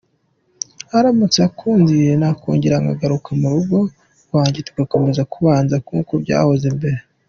Aramutse ankundiye nakongera nkagaruka mu rugo rwanjye tugakomeza kubana nk’uko byahoze mbere.